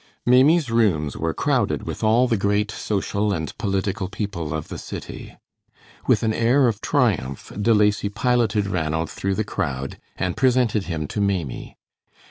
Maimie's rooms were crowded with all the great social and political people of the city. With an air of triumph, De Lacy piloted Ranald through the crowd and presented him to Maimie.